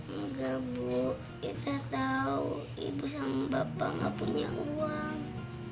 enggak bu kita tahu ibu sama bapak nggak punya uang